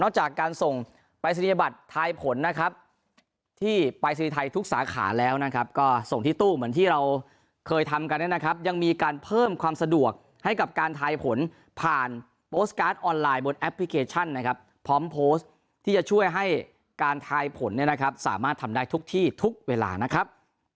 จากการส่งปรายศนียบัตรทายผลนะครับที่ปรายศนีย์ไทยทุกสาขาแล้วนะครับก็ส่งที่ตู้เหมือนที่เราเคยทำกันเนี่ยนะครับยังมีการเพิ่มความสะดวกให้กับการทายผลผ่านโพสต์การ์ดออนไลน์บนแอปพลิเคชันนะครับพร้อมโพสต์ที่จะช่วยให้การทายผลเนี่ยนะครับสามารถทำได้ทุกที่ทุกเวลานะครับ